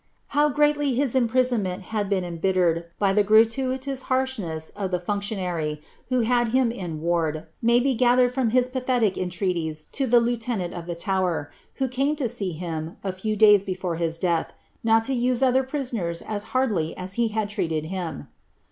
How greatly his imprisonment had been embittered by the graiuiiou' harshness of the functionary uho had iiim in ward, may be gaihcreii from his pathetic entrcaiies to the lieutenant of the Tower, who came lo see him, a few days before his death, not lo use other prisoner* as hardly as he had treated him.